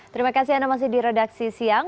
terima kasih anda masih di redaksi siang